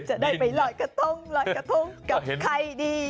จะได้ไปลอยกระทงลอยกระทงกับใครดี